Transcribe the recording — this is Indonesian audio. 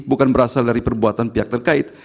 bukan berasal dari perbuatan pihak terkait